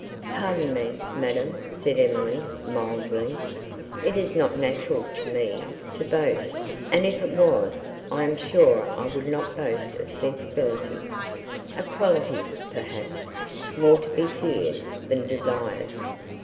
"Pardon me, madam," said Emily, mildly, "it is not natural to me to boast, and if it was, I am sure I would not boast of sensibility—a quality, perhaps, more to be feared, than desired."